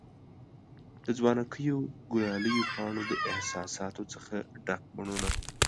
د ځوانکیو، ګلالیو پانو د احساساتو څخه ډک بڼوڼه